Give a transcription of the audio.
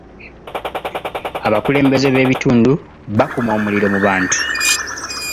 Abakulembeze b'ebitundu bakuma omuliro mu bantu.